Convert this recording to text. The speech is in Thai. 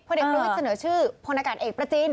พลเอกประวิทเสนอชื่อพลเอกประจิน